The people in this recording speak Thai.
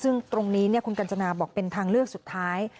ซึ่งตรงนี้คุณกัญจนาบอกเป็นทางเลือกสุดท้าย